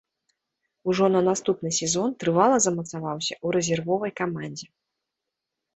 Ужо на наступны сезон трывала замацаваўся ў рэзервовай камандзе.